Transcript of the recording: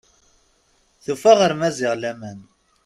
Tufa ɣer Maziɣ laman.